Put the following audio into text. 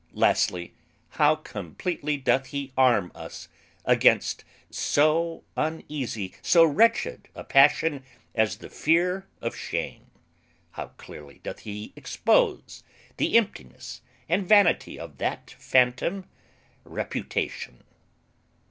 Lastly, how completely doth he arm us against so uneasy, so wretched a passion as the fear of shame! how clearly doth he expose the emptiness and vanity of that phantom, reputation!